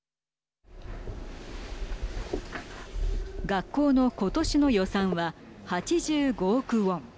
学校の今年の予算は８５億ウォン。